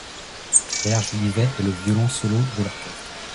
Claire Jolivet est le violon solo de l'orchestre.